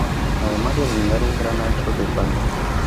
Además de brindar un gran ancho de banda.